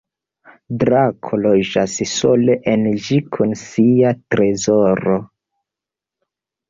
Drako loĝas sole en ĝi kun sia trezoro.